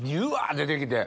出て来て。